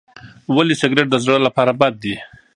ولې سګریټ د زړه لپاره بد دی؟